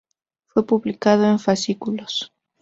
Fue publicado en fascículos.